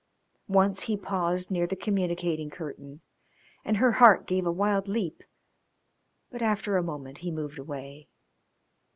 Once he paused near the communicating curtain and her heart gave a wild leap, but after a moment he moved away.